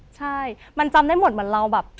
ใช่มันจำได้หมดเหมือนเราแบบ